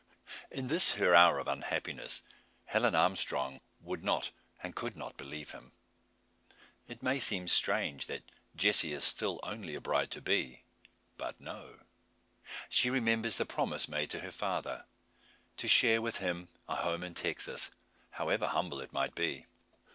In this her hour of unhappiness, Helen Armstrong would not and could not believe him. It may seem strange that Jessie is still only a bride to be. But no. She remembers the promise made to her father to share with him a home in Texas, however humble it might be.